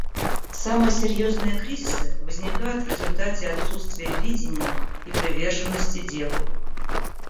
Самые серьезные кризисы возникают в результате отсутствия видения и приверженности делу.